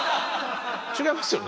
違いますよね。